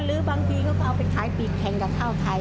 หรือบางทีเขาก็เอาไปขายปีกแข่งกับข้าวไข่